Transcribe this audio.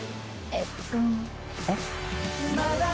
えっ？